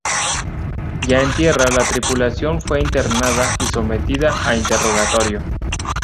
Ya en tierra la tripulación fue internada y sometida a interrogatorio.